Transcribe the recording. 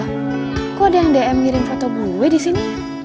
loh kok ada yang dm ngirim foto gue disini